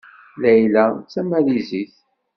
Layla d Tamalizit.